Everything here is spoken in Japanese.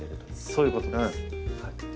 そういうことです。